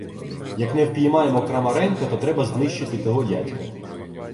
Як не впіймаємо Крамаренка, то треба знищити того дядька.